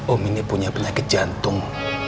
om ini punya penyakit jantung